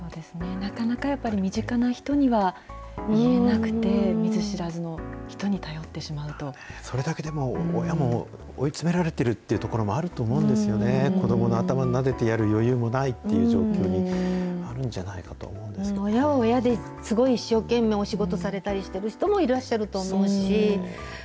なかなかやっぱり身近な人には言えなくて、見ず知らずの人に頼っそれだけでも、親も追い詰められているというのもあると思うんですよね、子どもの頭をなでてやる余裕もないっていう状態にあるんじゃない親は親ですごい一生懸命、お仕事されている人もいらっしゃると思いますし。